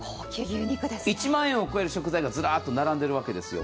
１万円を超える食材がずらっと並んでるわけですよ。